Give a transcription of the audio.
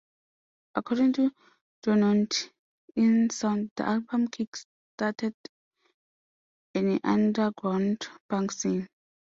According to Drowned in Sound the album kick started an underground punk scene.